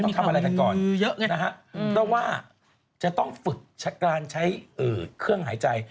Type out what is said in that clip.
ทำอะไรกันก่อนนะฮะเพราะว่าจะต้องฝึกการใช้เครื่องหายใจ